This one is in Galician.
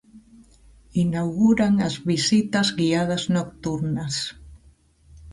Inauguran as visitas guiadas nocturnas.